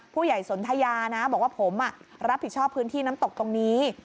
สนทยานะบอกว่าผมรับผิดชอบพื้นที่น้ำตกตรงนี้